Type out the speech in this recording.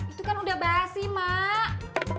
itu kan udah basi mak